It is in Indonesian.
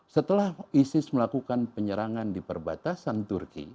setelah isis melakukan penyerangan di perbatasan turki